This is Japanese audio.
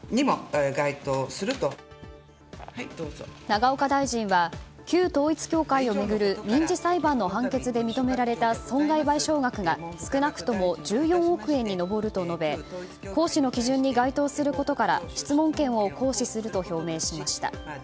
永岡大臣は旧統一教会を巡る民事裁判の判決で認められた損害賠償額が少なくとも１４億円に上ると述べ行使の基準に該当することから質問権を行使すると表明しました。